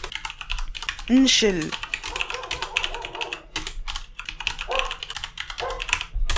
Ncel.